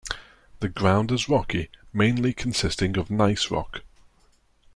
The ground is rocky, mainly consisting of gneiss rock.